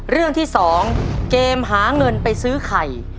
เรื่องที่๒เกมหาเงินไปซื้อไข่